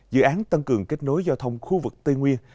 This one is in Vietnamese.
dự án tăng cường kết nối giao thông khu vực tây nguyên